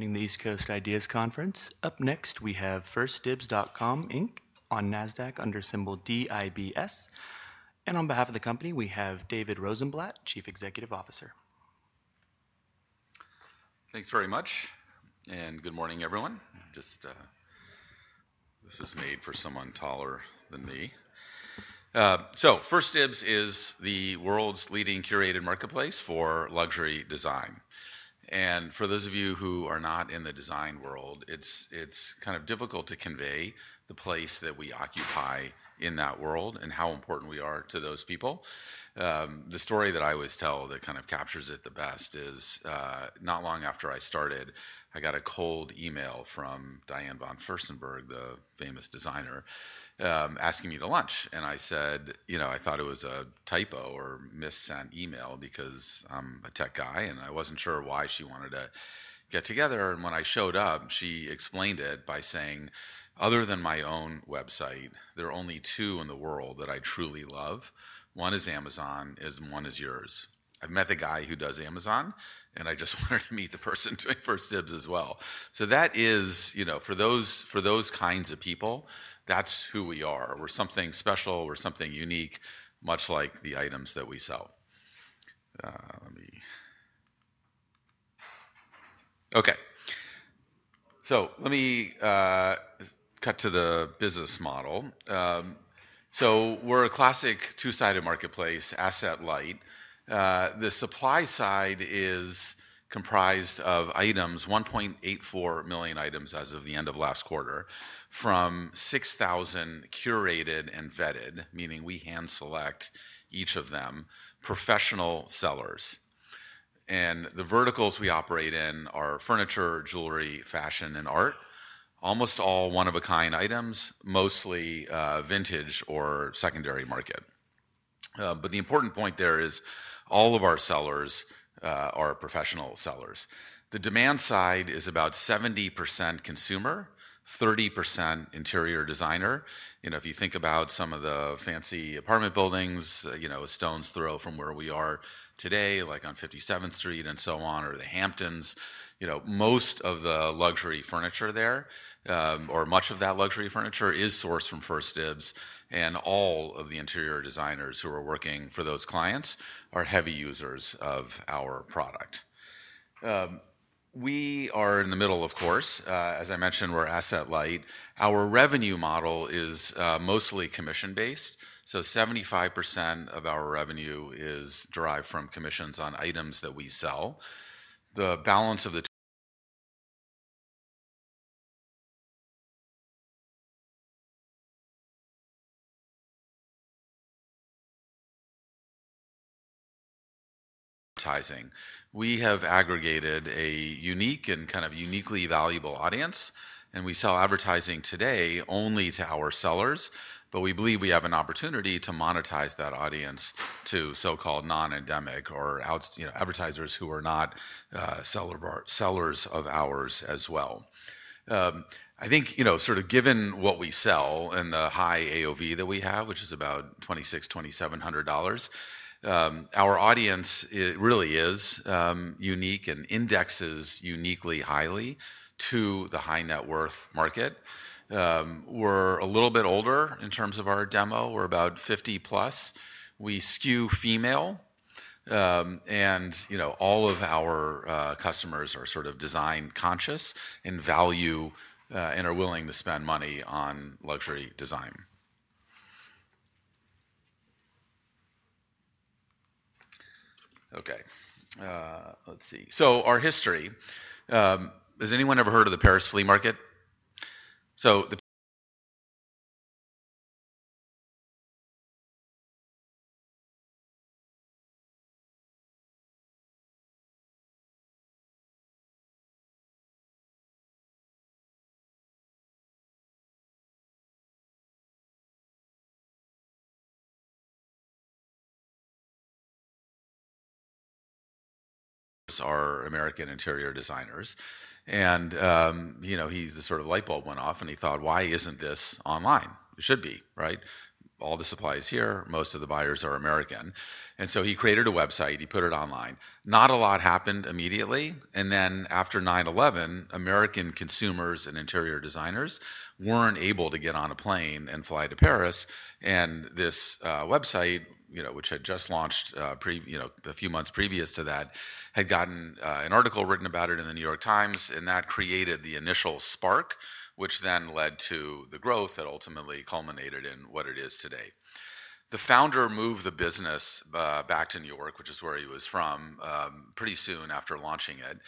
Attending the East Coast Ideas Conference. Up next, we have 1stdibs.com on. Nasdaq under symbol DIBS. On behalf of the company, we have David Rosenblatt, Chief Executive Officer. Thanks very much and good morning, everyone. This is made for someone taller than me. 1stdibs is the world's leading curated marketplace for luxury design. For those of you who are not in the design world, it's kind of difficult to convey the place that we occupy in that world and how important we are to those people. The story that I always tell that kind of captures it the best is not long after I started, I got a cold email from Diane von Furstenberg, the famous designer, asking me to lunch. I said I thought it was a typo or missent email because I'm a tech guy. I wasn't sure why she wanted to get together. When I showed up, she explained it by saying, other than my own website, there are only two in the world that I truly love. One is Amazon and one is yours. I've met the guy who does Amazon and I just wanted to meet the person doing 1stdibs as well. That is for those kinds of people. That's who we are. We're something special, we're something unique, much like the items that we sell. Let me. Okay, let me cut to the business model. We're a classic two-sided marketplace, asset light. The supply side is comprised of items, 1.84 million items as of the end of last quarter from 6,000 curated and vetted, meaning we hand select each of them, professional sellers. The verticals we operate in are furniture, jewelry, fashion, and art. Almost all one of a kind items, mostly vintage or secondary market. The important point there is all of our sellers are professional sellers. The demand side is about 70% consumer, 30% interior designer. If you think about some of the fancy apartment buildings a stone's throw from where we are today, like on 57th Street and so on, or the Hamptons, you know, most of the luxury furniture there, or much of that luxury furniture is sourced from 1stdibs. All of the interior designers who are working for those clients are heavy users of our product. We are in the middle. Of course, as I mentioned, we're asset light. Our revenue model is mostly commission based. 75% of our revenue is derived from commissions on items that we sell. The balance is advertising. We have aggregated a unique and kind of uniquely valuable audience. We sell advertising today only to our sellers. However, we believe we have an opportunity to monetize that audience to so-called non-endemic, or advertisers who are not sellers of ours as well. I think sort of given what we sell and the high AOV that we have, which is about $2,600-$2,700, our audience really is unique and indexes uniquely highly to the high net worth market. We're a little bit older in terms of our demo, we're about 50 plus, we skew female, and you know, all of our customers are sort of design conscious and value and are willing to spend money on luxury design. Okay, let's see. Our history. Has anyone ever heard of the Paris flea market? There are American interior designers. And you know, he sort of light bulb went off and he thought, why isn't this online? It should be, right? All the supply is here, most of the buyers are American. He created a website, he put it online. Not a lot happened immediately. After 9/11, American consumers and interior designers were not able to get on a plane and fly to Paris. This website, which had just launched a few months previous to that, had gotten an article written about it in The New York Times. That created the initial spark which then led to the growth that ultimately culminated in what it is today. The founder moved the business back to New York, which is where he was from, pretty soon after launching it.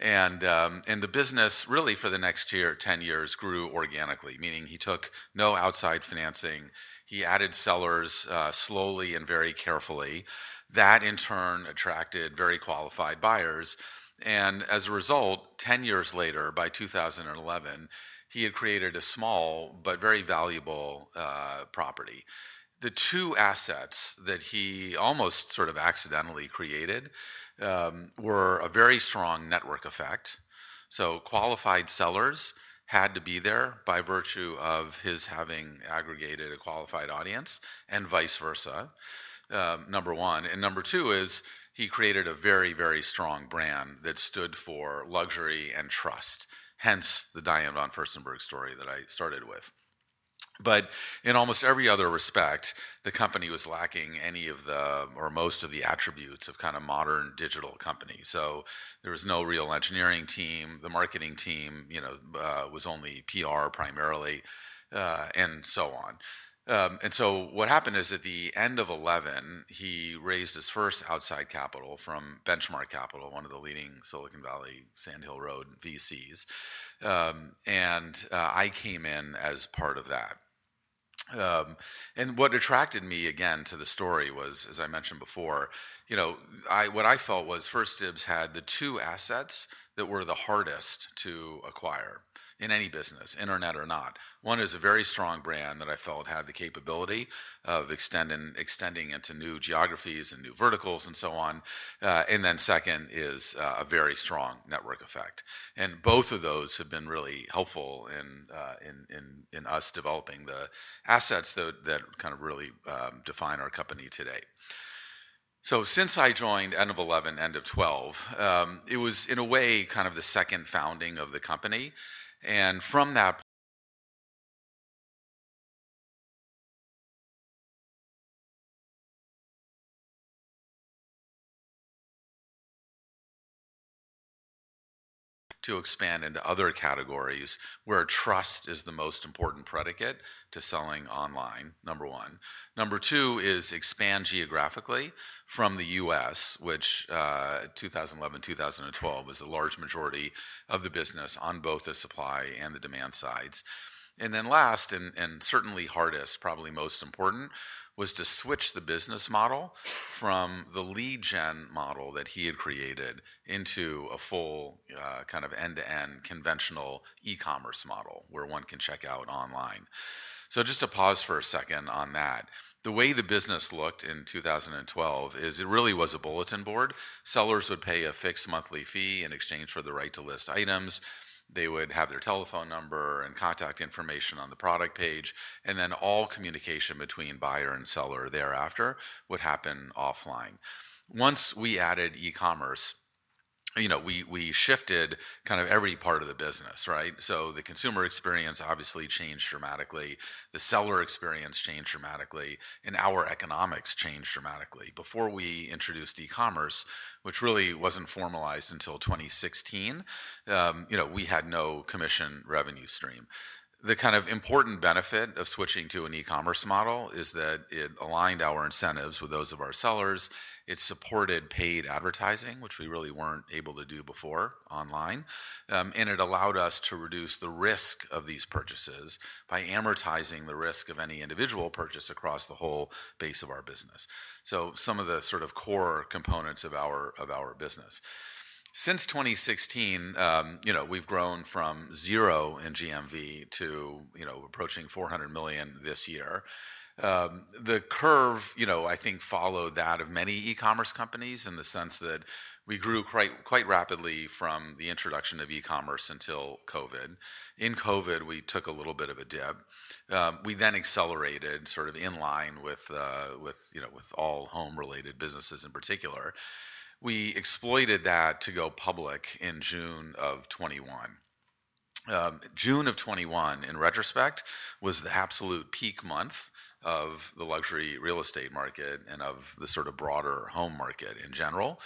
The business really for the next 10 years grew organically, meaning he took no outside financing. He added sellers slowly and very carefully. That in turn attracted very qualified buyers. As a result, 10 years later, by 2011, he had created a small but very valuable property. The two assets that he almost sort of accidentally created were a very strong network effect. So qualified sellers had to be there by virtue of his having aggregated a qualified audience and vice versa, number one. Number two is he created a very, very strong brand that stood for luxury and trust. Hence the Diane von Furstenberg story that I started with. In almost every other respect the company was lacking any of the or most of the attributes of kind of modern digital companies. There was no real engineering team, the marketing team was only Primari and so on. What happened is at the end of 2011, he raised his first outside capital from Benchmark Capital, one of the leading Silicon Valley Sand Hill Road VCs. I came in as part of that. What attracted me again to the story was, as I mentioned before, what I felt was 1stdibs had the two assets that were the hardest to acquire in any business, internet or not. One is a very strong brand that I felt had the capability of extending into new geographies and new verticals and so on. Second is a very strong network effect. Both of those have been really helpful in us developing the assets that kind of really define our company today. Since I joined end of 2011, end of 2012, it was in a way kind of the second founding of the company. From that, to expand into other categories where trust is the most important predicate to selling online, number one. Number two is expand geographically from the U.S., which 2011, 2012 was the large majority of the business on both the supply and the demand sides. Last and certainly hardest, probably most important, was to switch the business model from the lead gen model that he had created into a full kind of end-to-end conventional e-commerce model where one can check out online. Just to pause for a second on that, the way the business looked in 2012 is it really was a bulletin board. Sellers would pay a fixed monthly fee in exchange for the right to list items. They would have their telephone number and contact information on the product page, and then all communication between buyer and seller thereafter would happen offline. Once we added e-commerce, we shifted kind of every part of the business. The consumer experience obviously changed dramatically, the seller experience changed dramatically, and our economics changed dramatically. Before we introduced e-commerce, which really was not formalized until 2016, we had no commission revenue stream. The kind of important benefit of switching to an e-commerce model is that it aligned our incentives with those of our sellers. It supported paid advertising, which we really were not able to do before online. It allowed us to reduce the risk of these purchases by amortizing the risk of any individual purchase across the whole base of our business. Some of the sort of core components of our business since 2016, we have grown from zero in GMV to approaching $400 million this year. The curve, I think, followed that of many e-commerce companies in the sense that we grew quite rapidly from the introduction of e-commerce until Covid. In Covid, we took a little bit of a dip. We then accelerated sort of in line with all home related businesses in particular. We exploited that to go public in June of 2021. June of 2021, in retrospect, was the absolute peak month of the luxury real estate market and of the sort of broader home market in general.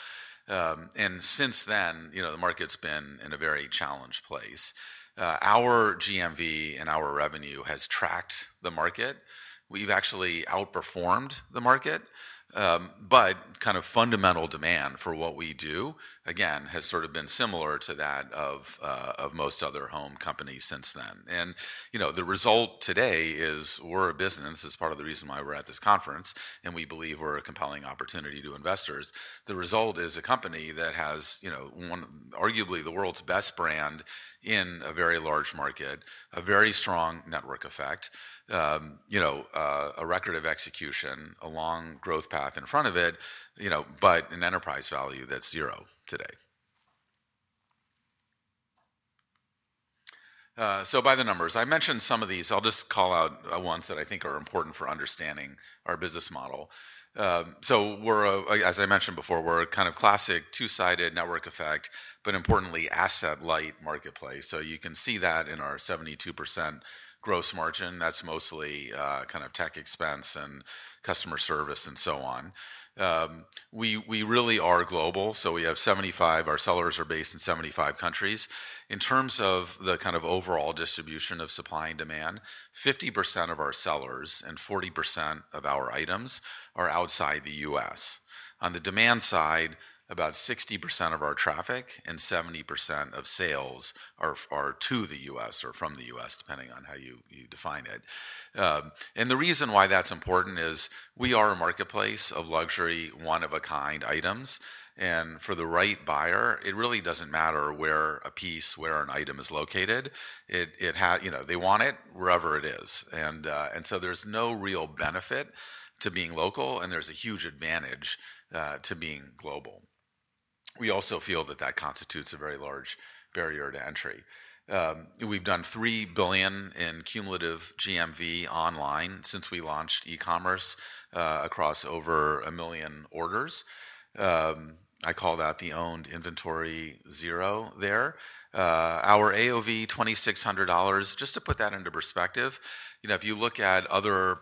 Since then the market's been in a very challenged place. Our GMV and our revenue has tracked the market. We've actually outperformed the market, but kind of fundamental demand for what we do again has sort of been similar to that of most other home companies since then. The result today is we're a business. It's part of the reason why we're at this conference and we believe we're a compelling opportunity to investors. The result is a company that has arguably the world's best brand in a very large market, a very strong network effect, a record of execution, a long growth path in front of it, but an enterprise value that's zero today. By the numbers I mentioned, some of these I'll just call out ones that I think are important for understanding our business model. As I mentioned before, we're a kind of classic two-sided network effect, but importantly asset light marketplace. You can see that in our 72% gross margin, that's mostly kind of tech expense and customer service and so on, we really are global. We have 75, our sellers are based in 75 countries. In terms of the kind of overall distribution of supply and demand, 50% of our sellers and 40% of our items are outside the U.S. On the demand side, about 60% of our traffic and 70% of sales are to the U.S. or from the U.S. depending on how you define it. The reason why that's important is we are a marketplace of luxury, one-of-a-kind items. For the right buyer, it really doesn't matter where a piece, where an item is located, they want it wherever it is. There is no real benefit to being local. There is a huge advantage to being global. We also feel that that constitutes a very large barrier to entry. We've done $3 billion in cumulative GMV online since we launched e-commerce across over a million orders. I call that the owned inventory zero there. Our AOV, $2,600. Just to put that into perspective, you know, if you look at others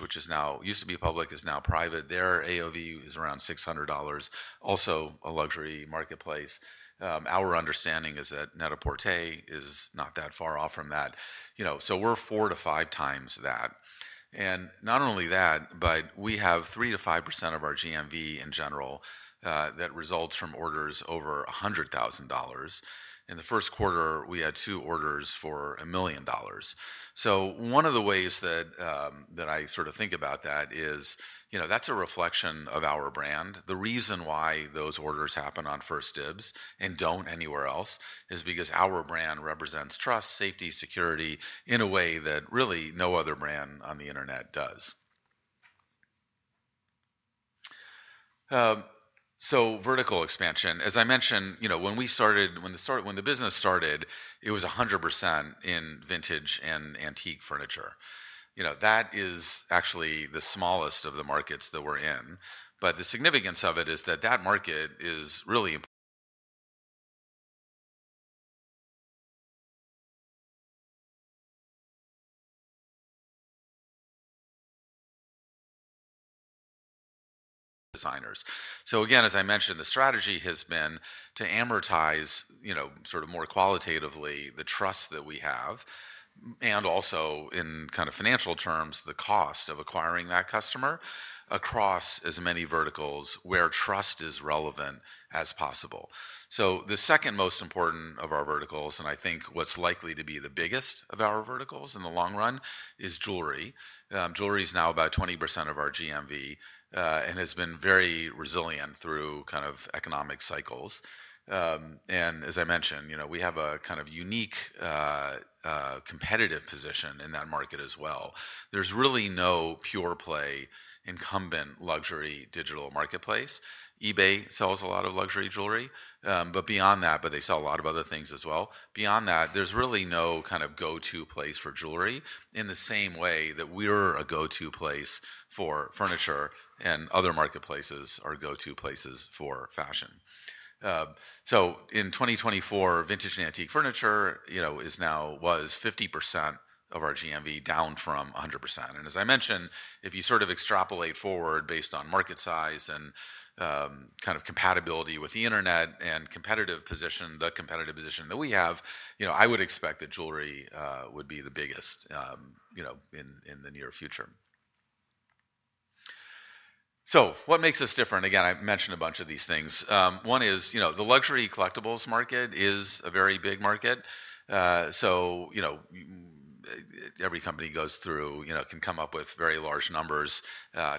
which is now used to be public, is now private, their AOV is around $600. Also a lux marketplace. Our understanding is that Net-a-Porter is not that far off from that. So we're four to five times that. And not only that, but we have 3-5% of our GMV in general that results from orders over $100,000. In the first quarter we had two orders for a million dollars. So one of the ways that I sort of think about that is that's a reflection of our brand. The reason why those orders happen on 1stdibs.com and do not anywhere else is because our brand represents trust, safety, security in a way that really no other brand on the Internet does. Vertical expansion, as I mentioned, when we started, when the business started, it was 100% in vintage and antique furniture. That is actually the smallest of the markets that we're in. The significance of it is that that market is really important to designers. Again, as I mentioned, the strategy has been to amortize sort of more qualitatively the trust that we have and also in kind of financial terms, the cost of acquiring that customer across as many verticals where trust is relevant and as possible. The second most important of our verticals, and I think what's likely to be the biggest of our verticals in the long run, is jewelry. Jewelry is now about 20% of our GMV and has been very resilient through kind of economic cycles. As I mentioned, you know, we have a kind of unique competitive position in that market as well. There is really no pure play incumbent luxury digital marketplace. eBay sells a lot of luxury jewelry, but beyond that, they sell a lot of other things as well. Beyond that, there is really no kind of go to place for jewelry in the same way that we are a go to place for furniture and other marketplaces are go to places for fashion. In 2024, vintage and antique furniture was 50% of our GMV, down from 100%. As I mentioned, if you sort of extrapolate forward based on market size and kind of compatibility with the Internet and competitive position, the competitive position that we have, you know, I would expect that jewelry would be the biggest, you know, in the near future. What makes us different? Again, I mentioned a bunch of these things. One is, you know, the luxury collectibles market is a very big market. You know, every company goes through, you know, can come up with very large numbers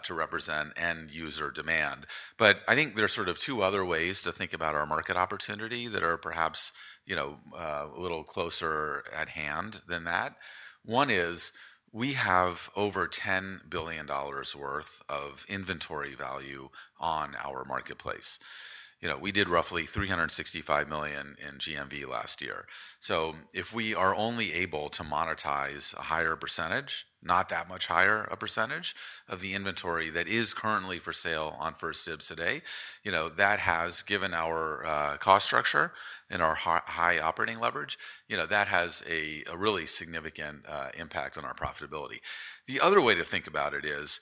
to represent end user demand. I think there's sort of two other ways to think about our market opportunity that are perhaps, you know, a little closer at hand than that. One is we have over $10 billion worth of inventory value on our marketplace. You know, we did roughly $365 million in GMV last year. If we are only able to monetize a higher percentage, not that much higher, a percentage of the inventory that is currently for sale on 1stdibs.com today, that has, given our cost structure and our high operating leverage, a really significant impact on our profitability. The other way to think about it is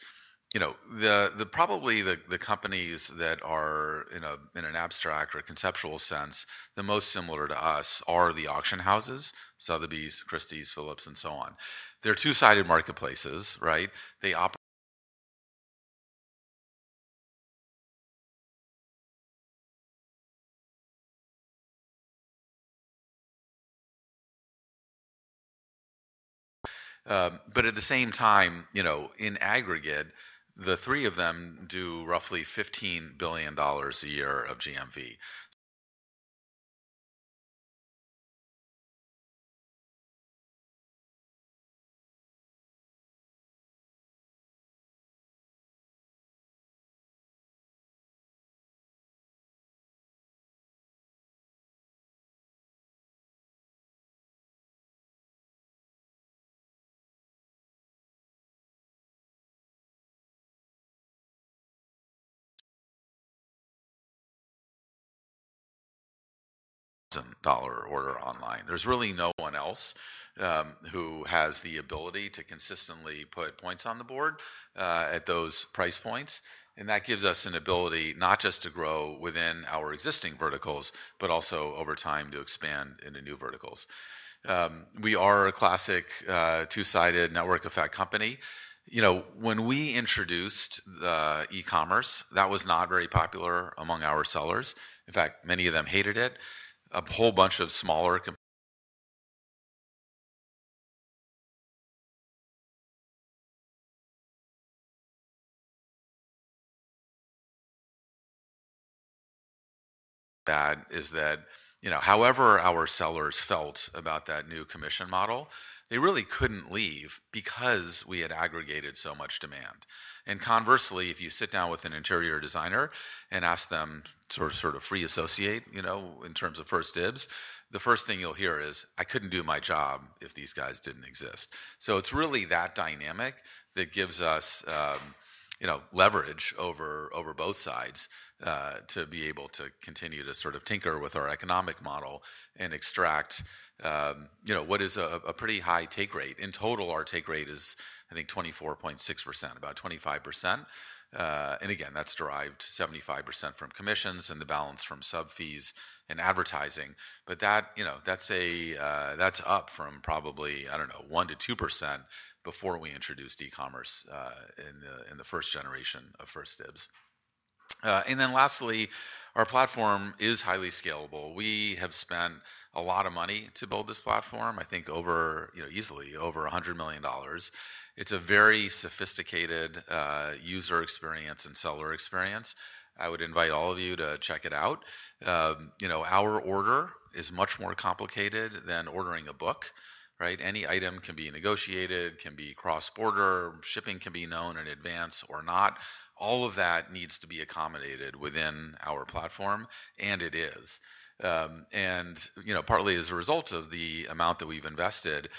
probably the companies that are, in an abstract or conceptual sense, the most similar to us are the auction houses. Sotheby's, Christie's, Phillips and so on. They're two-sided marketplaces, right? They operate, but at the same time, in aggregate, the three of them do roughly $15 billion a year of GMV order online. There's really no one else who has the ability to consistently put points on the board at those price points. That gives us an ability not just to grow within our existing verticals, but also over time to expand into new verticals. We are a classic two-sided network effect company. You know, when we introduced the E-commerce that was not very popular among our sellers. In fact, many of them hated it. A whole bunch of smaller bad is that, you know, however our sellers felt about that new commission model, they really couldn't leave because we had aggregated so much demand. Conversely, if you sit down with an interior designer and ask them sort of free associate in terms of 1stdibs, the first thing you'll hear is I couldn't do my job if these guys didn't exist. It is really that dynamic that gives us leverage over both sides to be able to continue to sort of tinker with our economic model and extract what is a pretty high take rate. In total, our take rate is I think 24.6%, about 25%. Again, that's derived 75% from commissions and the balance from sub fees and advertising. That, you know, that's up from probably, I don't know, 1-2% before we introduced e-commerce in the first generation of 1stdibs.com. Lastly, our platform is highly scalable. We have spent a lot of money to build this platform, I think over, you know, easily over $100 million. It's a very sophisticated user experience and seller experience. I would invite all of you to check it out. Our order is much more complicated than ordering a book. Any item can be negotiated, can be cross-border shipping, can be known in advance or not. All of that needs to be accommodated within our platform. It is. Partly as a result of the amount that we've invested,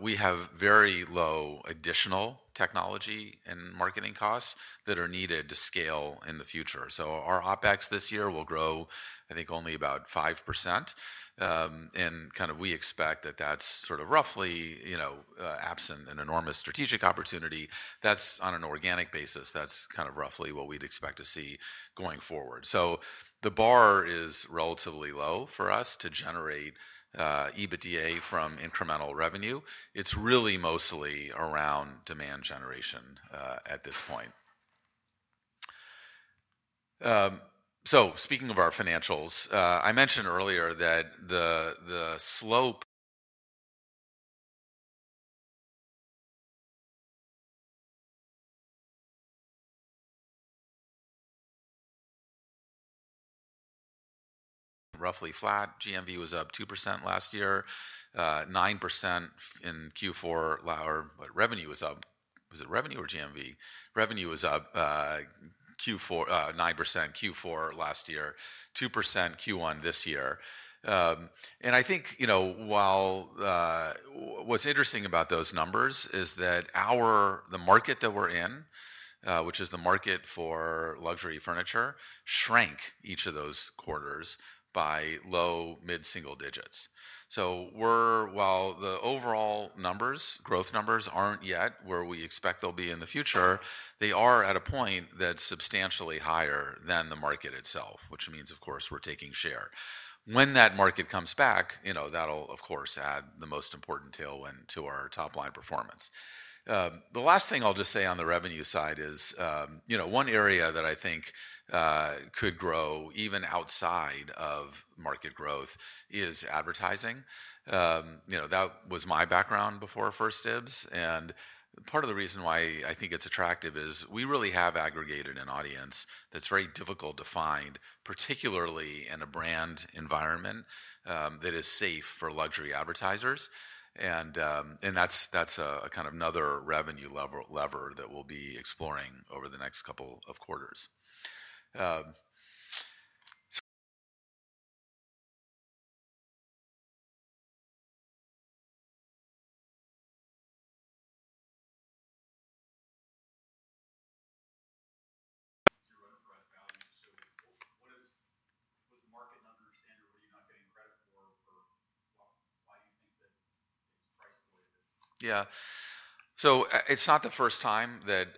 we have very low additional technology and marketing costs that are needed to scale in the future. Our OPEX this year will grow, I think only about 5% and kind of, we expect that that's sort of roughly absent an enormous strategic opportunity that's on an organic basis. That's kind of roughly what we'd expect to see going forward. The bar is relatively low for us to generate EBITDA from incremental revenue. It's really mostly around demand generation at this point. Speaking of our financials, I mentioned earlier that the slope roughly flat. GMV was up 2% last year, 9% in Q4. Revenue was up. Was it revenue or GMV? Revenue was up 9% Q4 last year, 2% Q1 this year. I think what's interesting about those numbers is that the market that we're in, which is the market for luxury furniture, shrank each of those quarters by low mid single digits. While the overall numbers, growth numbers aren't yet where we expect they'll be in the future, they are at a point that's substantially higher than the market itself. Which means of course we're taking share when that market comes back. That'll of course add the most important tailwind to our top line performance. The last thing I'll just say on the revenue side is one area that I think could grow even outside of market growth is advertising. That was my background before 1stdibs. Part of the reason why I think it's attractive is we really have aggregated an audience that's very difficult to find, particularly in a brand environment that is safe for luxury advertisers. That's kind of another revenue lever that we'll be exploring over the next couple of quarters. What is, was the market not to understand or what are you not getting credit for? Why do you think that it's priced the way it is? Yeah, so it's not the first time that,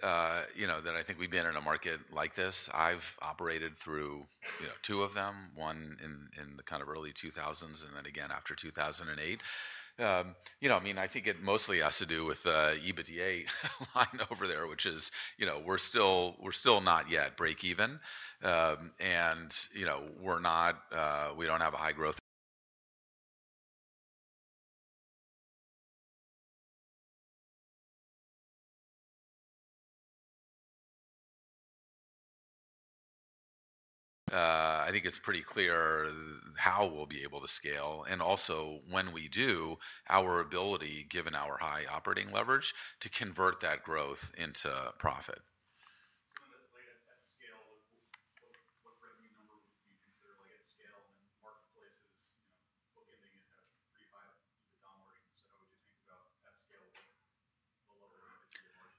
you know, that I think we've been in a market like this. I've operated through, you know, two of them, one in the kind of early 2000s and then again after 2008. You know, I mean, I think it mostly has to do with EBITDA line over there, which is, you know, we're still not yet breakeven and, you know, we're not, we don't have a high growth. I think it's pretty clear how we'll be able to scale and also when we do, our ability, given our high operating leverage, to convert that growth into profit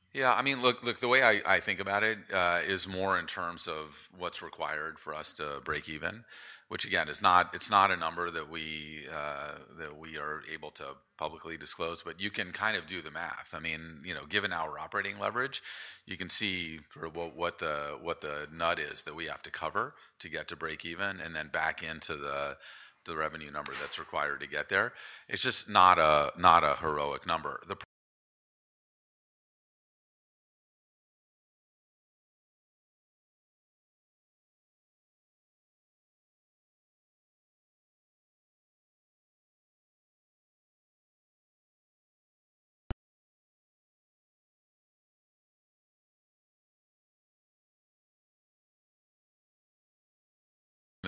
at scale. What revenue number would you consider like at scale in marketplaces? So how would you think about. Yeah, I mean, look, the way I think about it is more in terms of what's required for us to break even, which again is not, it's not a number that we are able to publicly disclose. You can kind of do the math. I mean, you know, given our operating leverage, you can see what the nut is that we have to cover to get to break even and then back into the revenue number that's required to get there. It's just not a heroic number.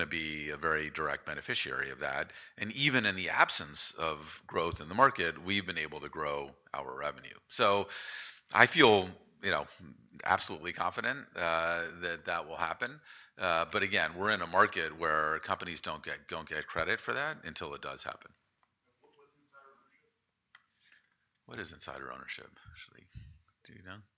The price would be a very direct beneficiary of that. Even in the absence of growth in the market, we've been able to grow our revenue. I feel, you know, absolutely confident that that will happen. Again, we're in a market where companies do not get credit for that until it does happen. What is insider ownership actually? Do you know? Yeah. In the essence of current growth, you're spending quite a bit of money on sales and marketing and R&D. I think you call it technology development. I mean, how can you be confident that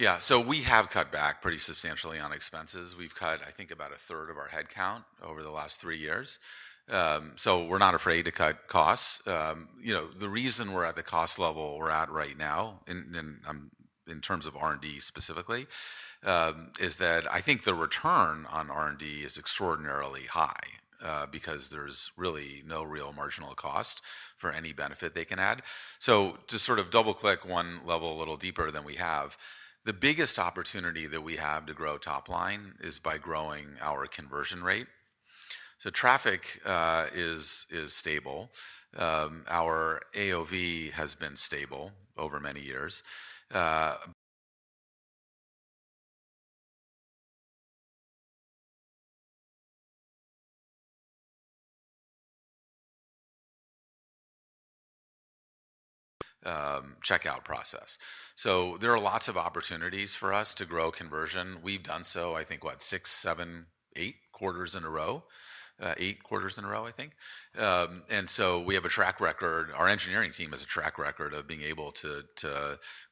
you're getting a good ROI on spending given where the market is? Like at what point would you say, okay, like this isn't working, we just need to, like, cut back, cut back on costs and generate profitability and just assume we're just going to kind of grow to mid single digit rate. Yeah. So we have cut back pretty substantially on expenses. We've cut I think about a third of our headcount over the last three years. So we're not afraid to cut costs. You know, the reason we're at the cost level we're at right now in terms of R&D specifically is that I think the return on R&D is extraordinarily high because there's really no real marginal cost for any benefit they can add. To sort of double click one level a little deeper than we have, the biggest opportunity that we have to grow top line is by growing our conversion rate. Traffic is stable, our AOV has been stable over many years, checkout process. There are lots of opportunities for us to grow conversion. We've done so I think, what, six, seven, eight quarters in a row? Eight quarters in a row, I think. We have a track record, our engineering team has a track record of being able to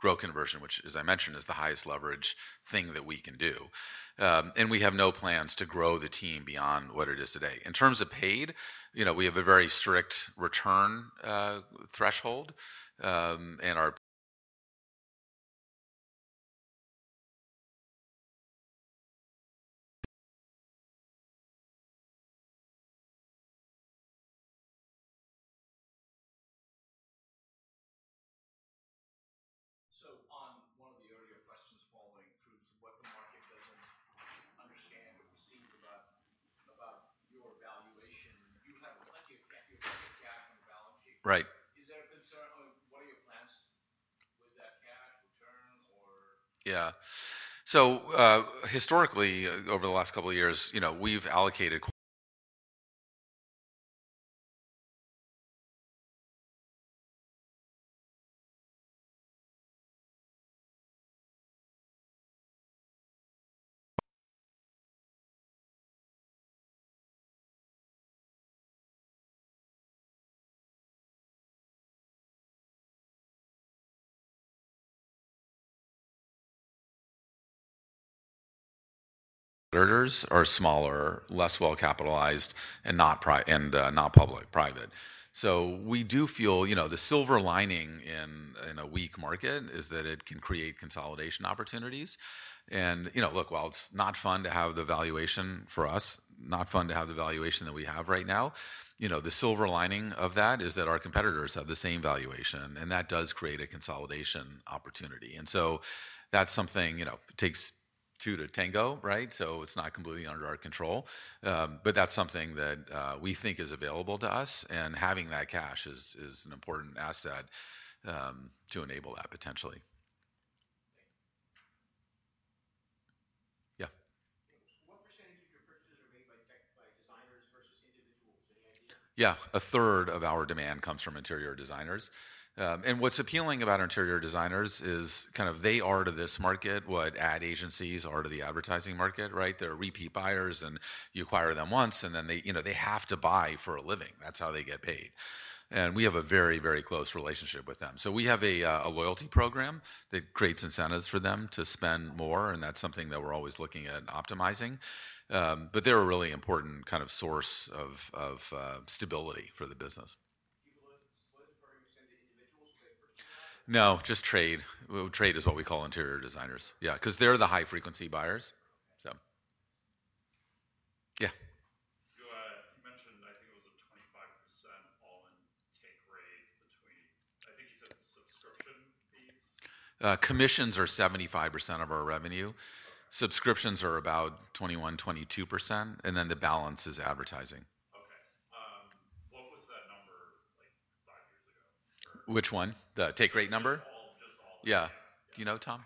grow conversion, which as I mentioned is the highest leverage thing that we can do. We have no plans to grow the team beyond what it is today in terms of paid. You know, we have a very strict return threshold. Our. One of the earlier questions following through what the market doesn't understand or perceive about your valuation. You have plenty of cash on the balance sheet, right? Is there a concern, what are your plans with that cash return? Yeah, so historically over the last couple of years, you know, we've allocated, murderers are smaller, less well capitalized and not private and not public private. You know, the silver lining in a weak market is that it can create consolidation opportunities. Look, while it's not fun to have the valuation for us, not fun to have the valuation that we have right now, the silver lining of that is that our competitors have the same valuation and that does create a consolidation opportunity. That's something. It takes two to tango, right. It's not completely under our control, but that's something that we think is available to us. Having that cash is an important asset to enable that potentially. Yeah. What percentage of your purchases are made by designers versus individuals? Any idea? Yeah, a third of our demand comes from interior designers. What's appealing about interior designers is kind of they are to this market what ad agencies are to the advertising market. Right. They're repeat buyers and you acquire them once and then they have to buy for a living. That's how they get paid. We have a very, very close relationship with, we have a loyalty program that creates incentives for them to spend more. That's something that we're always looking at optimizing. They're a really important kind of source of stability for the business. No, just trade. Trade is what we call interior designers. Yeah. Because they're the high frequency buyers. Yeah, mentioned. I think it was a 25% all-in take rate between, I think he said, subscription fees. Commissions are 75% of our revenue. Subscriptions are about 21-22% and then the balance is advertising. Okay. What was that number like five years ago? Which one? The take rate number. Yeah, you know, Tom.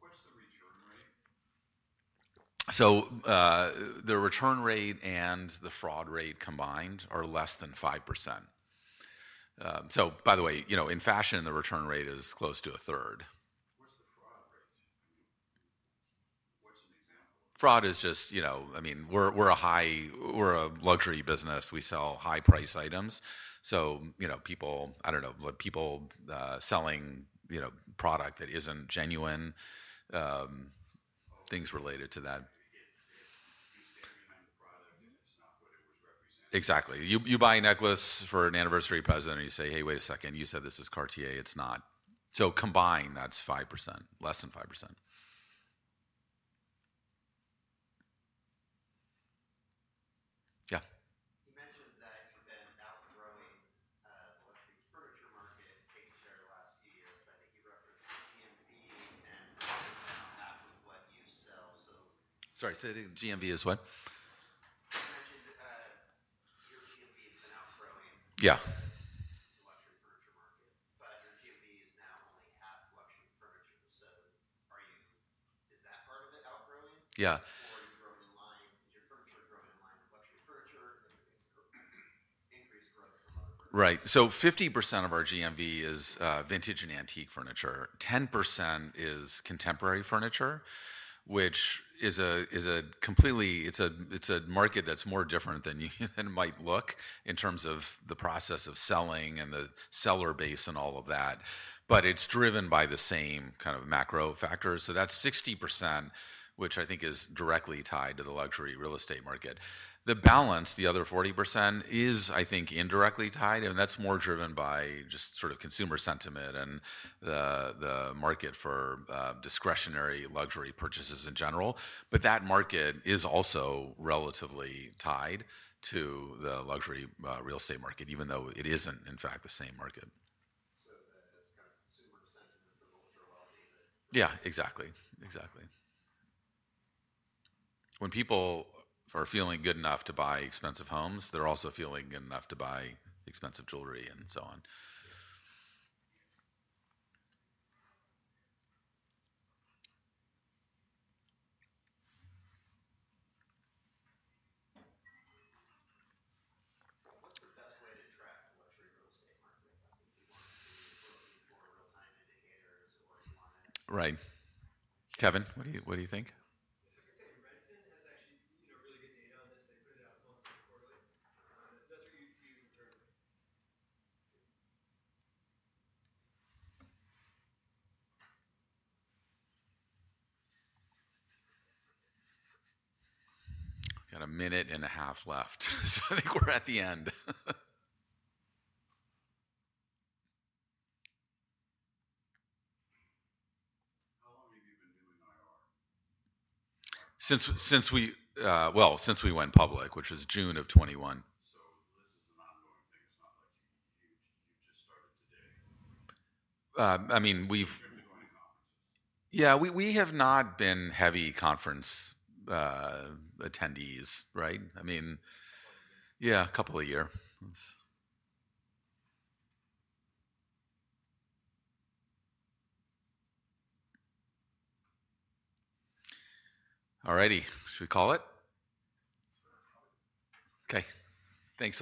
What's the return rate? The return rate and the fraud rate combined are less than 5%. By the way, you know, in fashion the return rate is close to a third. What's the fraud rate? Fraud is just, you know, I mean, we're a high, we're a luxury business. We sell high price items. So you know, people, I don't know, people selling product that isn't genuine, things related to that. Exactly. You buy a necklace for an anniversary present and you say, hey, wait a second, you said this is Cartier, it's not. So combined that's 5%. Less than 5%. Yeah. You mentioned that you've been outgrowing furniture market, taking share the last few years. I think you referenced. Sorry, GMV is what? Your GMV has been outgrowing. Yeah. Your GMV is now only half luxury furniture. Are you, is that part of it? Outgrowing? Yeah. Are you growing in line? Is your furniture growing in line with luxury furniture increase? Right. So 50% of our GMV is vintage and antique furniture. 10% is contemporary furniture, which is a completely, it's a market that's more different than you might look in terms of the process of selling and the seller base and all of that, but it's driven by the same kind of macro factors. So that's 60%, which I think is directly tied to the luxury real estate market. The balance, the other 40%, is, I think, indirectly tied, and that's more driven by just sort of consumer sentiment and the market for discretionary luxury purchases in general. That market is also relatively tied to the luxury real estate market, even though it isn't, in fact, the same market. Consumer. Yeah, exactly. Exactly. When people are feeling good enough to buy expensive homes, they're also feeling good enough to buy expensive jewelry and so on. What's the best way to track luxury real estate market? Right. Kevin, what do you. What do you think? Got a minute and a half left. I think we're at the end. Since we went public, which was June of 2021. I mean, we've. Yeah. We have not been heavy conference attendees. Right. I mean. Yeah, a couple a year. All righty. Should we call it? Okay, thanks a lot.